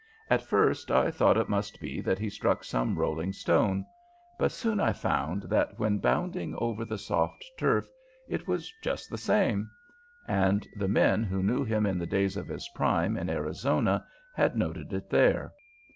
At first I thought it must be that he struck some rolling stone, but soon I found that when bounding over the soft turf it was just the same; and the men who knew him in the days of his prime in Arizona had noted it there.